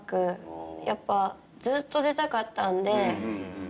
やっぱずっと出たかったんで。